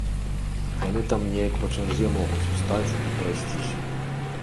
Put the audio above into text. Яны там неяк па чарзе могуць устаць і прайсціся.